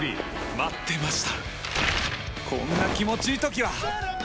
待ってました！